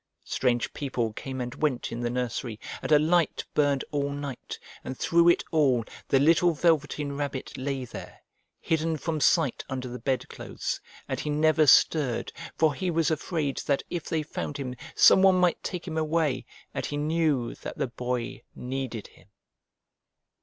Strange people came and went in the nursery, and a light burned all night and through it all the little Velveteen Rabbit lay there, hidden from sight under the bedclothes, and he never stirred, for he was afraid that if they found him some one might take him away, and he knew that the Boy needed him.